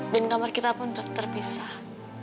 dan kamar kita pun tetap terpisah